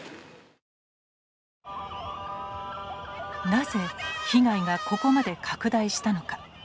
なぜ、被害がここまで拡大したのか。